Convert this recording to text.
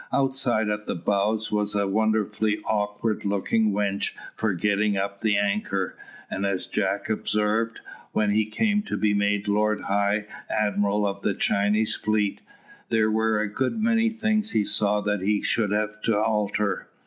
Outside at the bows was a wonderfully awkward looking winch for getting up the anchor; and as Jack observed, when he came to be made Lord High Admiral of the Chinese fleet, there were a good many things he saw that he should have to alter.